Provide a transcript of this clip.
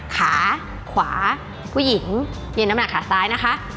ขาขวาผู้หญิงยืนน้ำหนักขาซ้ายนะคะ